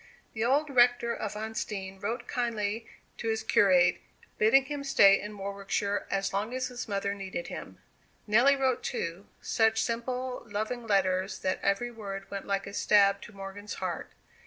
The old rector of Huntsdean wrote kindly to his curate, bidding him stay in Warwickshire as long as his mother needed him. Nelly wrote too; such simple loving letters that every word went like a stab to Morgan's heart.